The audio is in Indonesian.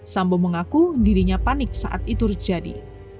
sambo mengaku dirinya panik saat itu terjadi